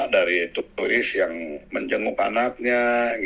dari turis yang menjenguk anaknya